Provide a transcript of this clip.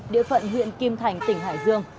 địa phận huyện kim thành tỉnh hải dương